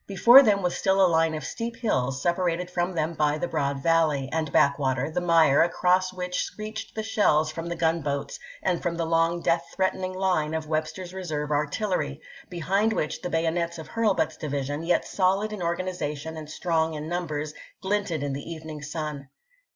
Before them was still a line of steep hills, separated from them by the broad valley, the back water, the mire, across which screeched the shells from the gunboats and from the long death threatening line of Webster's reserve artillery, behind which the bayonets of Hm lbut's division, yet solid in organization and strong in numbers, glinted in the evening sun.